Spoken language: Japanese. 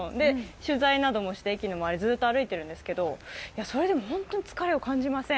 取材などもして、駅の周りをずっと歩いているんですけれどもそれでも本当に疲れを感じません。